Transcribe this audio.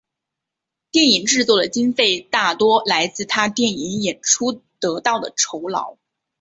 电影制作的经费大多来自他电影演出得到的酬劳。